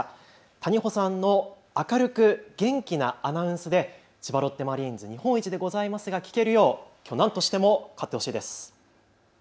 谷保さんの明るく元気なアナウンスで千葉ロッテマリーンズ、日本一でございますが聞けるようきょう、なんとしても勝ってほしいです。